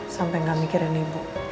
sampai gak mikirin ibu